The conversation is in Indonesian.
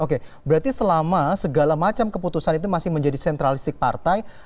oke berarti selama segala macam keputusan itu masih menjadi sentralistik partai